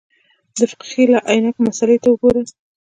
د فقهې له عینکو مسألې ته وګورو.